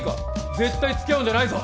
絶対付き合うんじゃないぞ。